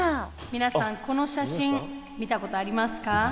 皆さんこの写真見たことありますか？